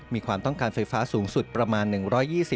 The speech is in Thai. มีความต้องการไฟฟ้าสูงสุดประมาณ๑๒๐